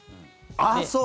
ああ、そう。